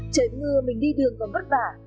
trời mưa mình đi đường còn vất vả